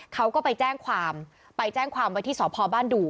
เขาก็ไปแจ้งความไปแจ้งความไว้ที่สพบ้านดู่